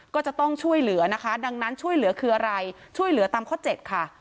ก็จะต้องช่วยเหลือนะคะดังนั้นช่วยเหลือคืออะไรช่วยเหลือตามข้อ๗ค่ะ